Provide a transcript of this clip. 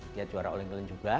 dia juara all england juga